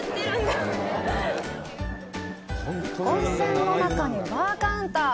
温泉の中にバーカウンター！